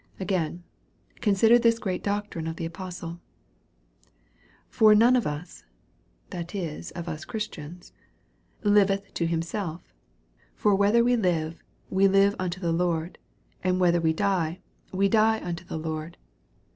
Again, consider this great doctrine of the apostle: For none of us, that is, of us Christians, liveth tp himself: For whether ice live, we live unto the Lord; and whether we die, we die unto the Lord.